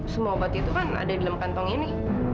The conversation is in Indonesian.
semua obat itu kan ada di dalam kantong ini